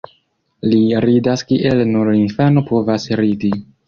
Li ridas kiel nur infano povas ridi.